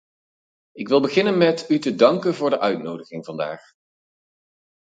Ik wil beginnen met u te danken voor de uitnodiging vandaag.